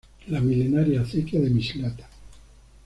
La milenaria Acequia de Mislata.